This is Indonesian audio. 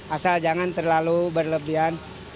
asal jangan terlalu berlebihan